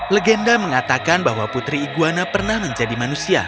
legenda mengatakan bahwa putri iguana pernah menjadi manusia